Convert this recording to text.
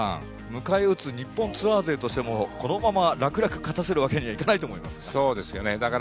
迎え撃つ日本ツアー勢としてもこのまま楽々勝たせるわけにはいかないと思いますが。